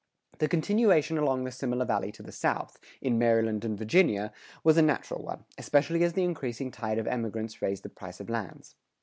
The continuation along the similar valley to the south, in Maryland and Virginia, was a natural one, especially as the increasing tide of emigrants raised the price of lands.